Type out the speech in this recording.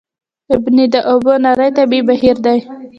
ابنا د اوبو نری طبیعي بهیر دی.